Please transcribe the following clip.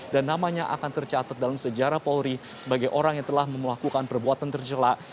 dan namanya akan tercatat dalam sejarah polri sebagai orang yang telah melakukan perbuatan tercelak